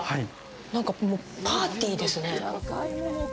なんか、もうパーティーですね。